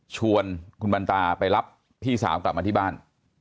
ชวนคุณบรรตาไปรับพี่สาวกลับมาที่บ้าน